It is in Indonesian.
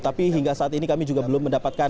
tapi hingga saat ini kami juga belum mendapatkan